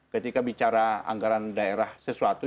ketika bicara anggaran daerah sesuatu